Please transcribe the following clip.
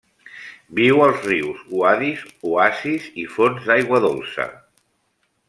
Viu als rius, uadis, oasis i fonts d'aigua dolça.